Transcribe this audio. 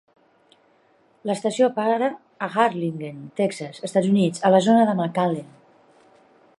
L'estació para a Harlingen, Texas, Estats Units, a la zona de McAllen.